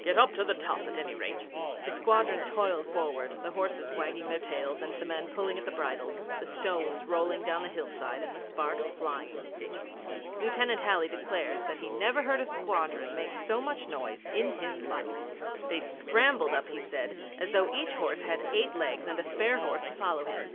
'Get up to the top at any rate.' The squadron toiled forward, the horses wagging their tails and the men pulling at the bridles, the stones rolling down the hillside and the sparks flying. Lieutenant Halley declares that he never heard a squadron make so much noise in his life. They scrambled up, he said, as though each horse had eight legs and a spare horse to follow him.